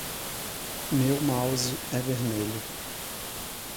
Meu mouse é vermelho